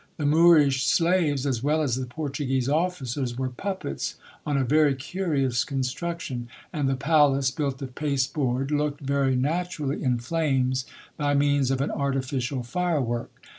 The Moorish slaves, as well as the Portuguese officers, were puppets on a very curious construction ; and the palace, built of pasteboard, looked very naturally in flames by means of an artificial firework.